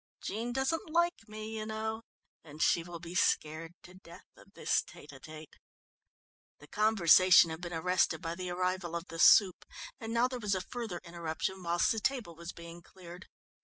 Jean doesn't like me, you know, and she will be scared to death of this tête à tête." The conversation had been arrested by the arrival of the soup and now there was a further interruption whilst the table was being cleared.